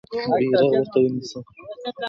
بیرغ ورته ونیسه.